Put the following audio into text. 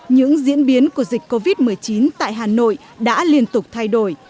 những diễn biến của dịch covid một mươi chín tại hà nội đã liên tục thay đổi